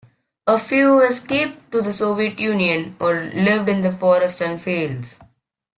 A few escaped to the Soviet Union or lived in the forests and fields.